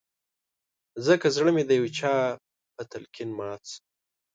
ځکه زړه مې د يو چا په تلقين مات شو